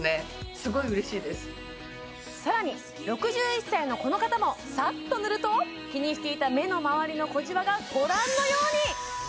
すごい嬉しいですさらに６１歳のこの方もさっと塗ると気にしていた目のまわりの小じわがご覧のように！